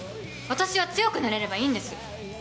私は強くなれればいいんです。